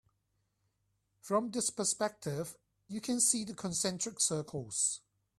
From this perspective you can see the concentric circles.